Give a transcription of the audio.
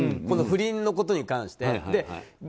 この不倫のことに関して。